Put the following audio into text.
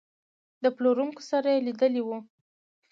د پلورونکو سره یې لیدلي وو.